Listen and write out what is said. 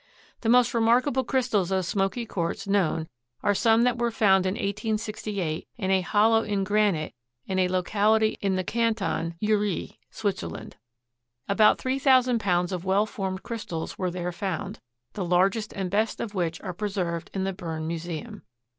The most remarkable crystals of smoky quartz known are some that were found in 1868 in a hollow in granite in a locality in the Canton Uri, Switzerland. About 3,000 pounds of well formed crystals were there found, the largest and best of which are preserved in the Berne Museum.